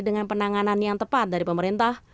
dengan penanganan yang tepat dari pemerintah